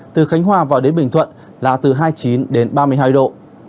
từ khánh hòa vào đến bình thuận là từ hai mươi chín đến ba mươi hai độ